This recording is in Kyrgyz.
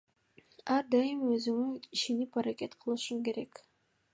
Ар дайым өзүңө ишенип аракет кылышың керек.